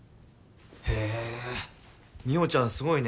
へぇ美帆ちゃんすごいね。